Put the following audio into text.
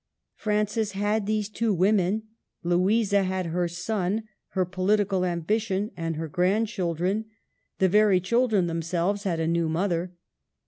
Francis had these two women ; Louisa had her son, her political ambition, and her grandchildren ; the QUEEN OF NAVARRE. 1 23 very children themselves had a new mother.